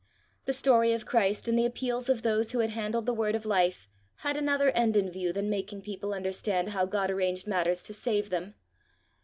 The story of Christ and the appeals of those who had handled the Word of Life had another end in view than making people understand how God arranged matters to save them.